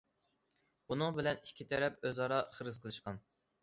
بۇنىڭ بىلەن ئىككى تەرەپ ئۆز ئارا خىرىس قىلىشقان.